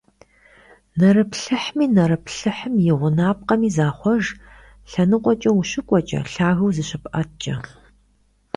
Нэрыплъыхьми, нэрыплъыхьым и гъунапкъэми захъуэж лъэныкъуэкӀэ ущыкӀуэкӀэ, лъагэу зыщыпӀэткӀэ.